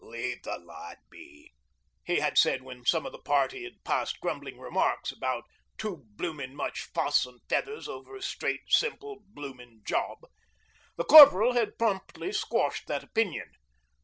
'Leave the lad be,' he had said when some of the party had passed grumbling remarks about 'too bloomin' much fuss an' feathers over a straight simple bloomin' job.' The Corporal had promptly squashed that opinion.